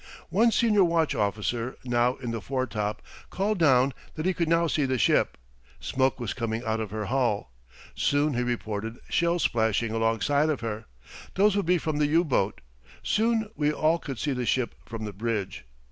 One senior watch officer, now in the foretop, called down that he could now see the ship. Smoke was coming out of her hull. Soon he reported shells splashing alongside of her. Those would be from the U boat. Soon we all could see the ship from the bridge.